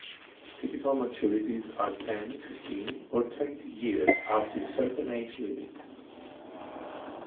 Typical maturities are ten, fifteen or twenty years up to a certain age limit.